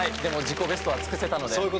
でも自己ベストは尽くせたので。